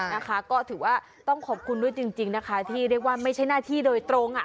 นะคะก็ถือว่าต้องขอบคุณด้วยจริงนะคะที่เรียกว่าไม่ใช่หน้าที่โดยตรงอ่ะ